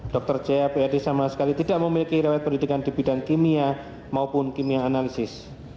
dr jaya pad sama sekali tidak memiliki rewet pendidikan di bidang kimia maupun kimia analisis